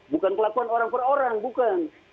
bukan kelakuan orang per orang bukan